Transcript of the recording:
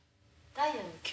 ダイヤの９。